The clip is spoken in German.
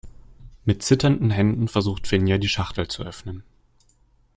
Mit zitternden Händen versucht Finja, die Schachtel zu öffnen.